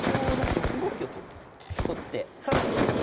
６五香と取って更に。